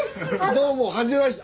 どうもはじめまして。